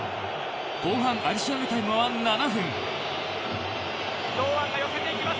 後半アディショナルタイムは７分。